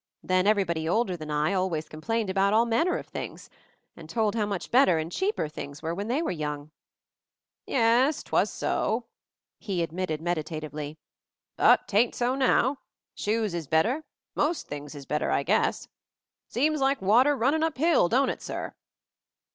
Then everybody older than I always complained about all manner of things, and told how much better — and cheaper — things were when they were young." "Yes, 'twas so," he admitted meditatively. "But 'tain't so now. Shoes is better, most things is better, I guess. Seems like water runnin' up hill, don't it, sir?"